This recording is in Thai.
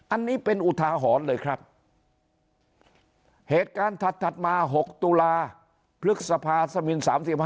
อันนี้เป็นอุทาหรณ์เลยครับเหตุการณ์ถัดมา๖ตุลาพฤษภาสมิน๓๕